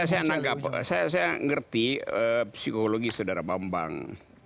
oke saya menganggap saya mengerti psikologi saudara bambang